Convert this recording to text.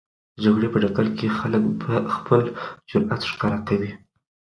د جګړې په ډګر کې خلک خپل جرئت ښکاره کوي.